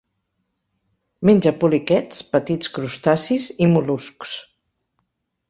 Menja poliquets, petits crustacis i mol·luscs.